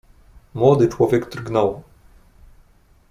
"Młody człowiek drgnął."